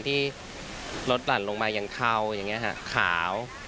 ที่รถหลั่นลงมาอย่างเทาอย่างนี้ฮะขาว